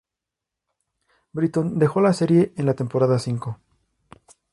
Britton dejó la serie en la temporada cinco.